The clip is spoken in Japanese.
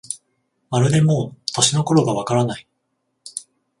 まるでもう、年の頃がわからない